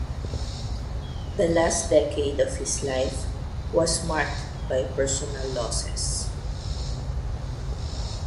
The last decade of his life was marked by personal losses.